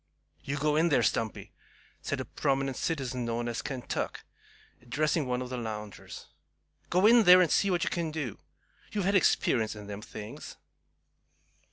"You go in there, Stumpy," said a prominent citizen known as "Kentuck," addressing one of the loungers. "Go in there, and see what you kin do. You've had experience in them things."